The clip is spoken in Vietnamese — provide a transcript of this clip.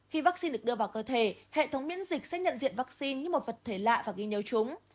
khi vaccine được đưa vào cơ thể hệ thống miễn dịch sẽ nhận diện vaccine như một vật thể lạ và ghi nhớ chúng